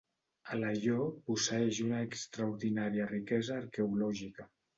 Alaior posseeix una extraordinària riquesa arqueològica.